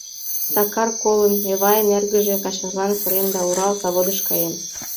Сакар колын: Эвайын эргыже ачажлан сырен да Урал заводыш каен.